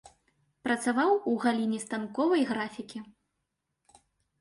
Працаваў у галіне станковай графікі.